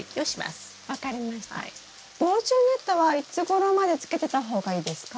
防虫ネットはいつごろまでつけてた方がいいですか？